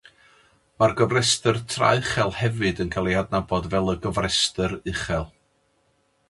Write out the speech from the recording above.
Mae'r gofrestr tra uchel hefyd yn cael ei hadnabod fel y "gofrestr uchel".